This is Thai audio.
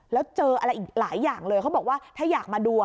แล้วเจออะไรอีกหลายอย่างเลยเขาบอกว่าถ้าอยากมาดู